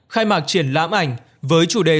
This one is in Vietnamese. khai mạc triển lãm ảnh với chủ đề